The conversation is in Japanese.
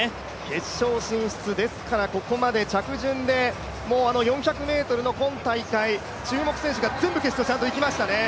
決勝進出、ですからここまで着順で４００ｍの今大会注目選手が全選手いきましたね。